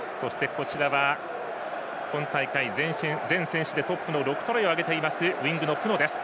今大会、全選手でトップの６トライを挙げているウイングのプノです。